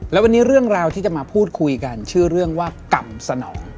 แล้ววันนี้เรื่องราวที่จะมาพูดคุยกันชื่อเรื่องว่ากรรมสนอง